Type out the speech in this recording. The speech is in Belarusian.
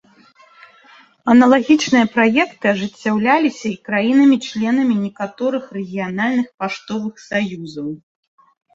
Аналагічныя праекты ажыццяўляліся і краінамі-членамі некаторых рэгіянальных паштовых саюзаў.